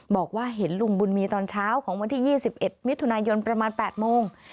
บอกว่าเห็นลุงบุญมีตอนเช้าของวันที่๒๑มิถุนายนประมาณ๘โมง